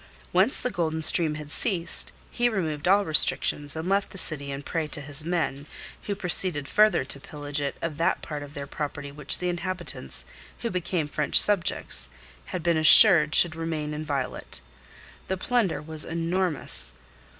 Once the golden stream had ceased, he removed all restrictions and left the city in prey to his men, who proceeded further to pillage it of that part of their property which the inhabitants who became French subjects had been assured should remain inviolate. The plunder was enormous.